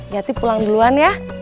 ya pulang duluan ya